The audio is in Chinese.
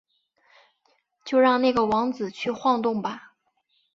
就让那个王子去晃动吧！